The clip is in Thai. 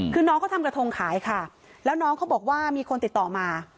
คือน้องเขาทำกระทงขายค่ะแล้วน้องเขาบอกว่ามีคนติดต่อมา